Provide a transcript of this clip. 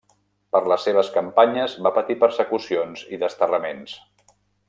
Per les seves campanyes va patir persecucions i desterraments.